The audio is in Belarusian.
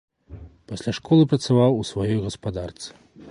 Пасля школы працаваў у сваёй гаспадарцы.